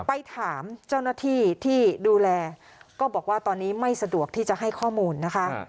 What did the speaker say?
ไปถามเจ้าหน้าที่ที่ดูแลก็บอกว่าตอนนี้ไม่สะดวกที่จะให้ข้อมูลนะคะ